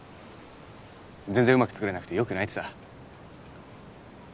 全然うまく作れなくてよく泣いてた。